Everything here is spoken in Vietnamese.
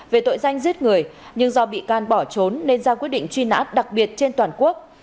về tội danh giết người nhưng do bị can bỏ trốn nên ra quyết định truy nã đặc biệt trên toàn quốc